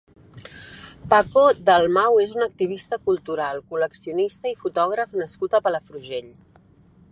Paco Dalmau és un activista cultural, col·leccionista i fotògraf nascut a Palafrugell.